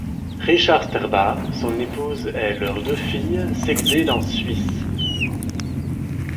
Richard Sterba, son épouse et leurs deux filles, s'exilent en Suisse.